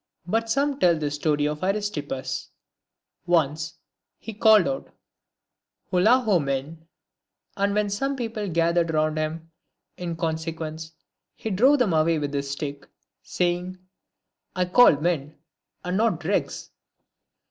But some tell this story of Aristippus. Once, he called out, " Holloa, men." And when some people gathered round him in con sequence, he drove them away with his stick, saying, " I called men, and not dregs."